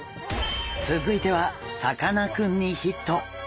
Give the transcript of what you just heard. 続いてはさかなクンにヒット！